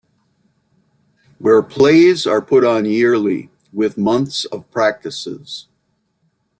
Where plays are put on yearly, with months of practices.